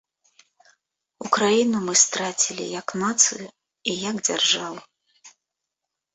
Украіну мы страцілі як нацыю і як дзяржаву.